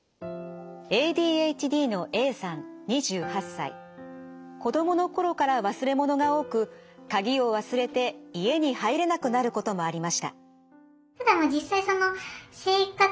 ＡＤＨＤの子どもの頃から忘れ物が多く鍵を忘れて家に入れなくなることもありました。